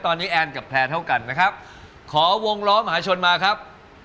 ตอนนี้แอนกับแพลร์เท่ากันนะครับขอวงล้อมหาชนมาครับ